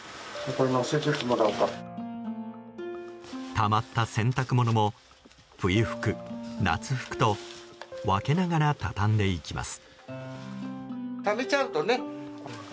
たまった洗濯物も冬服、夏服と分けながら畳んでいきます。